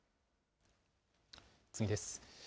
次です。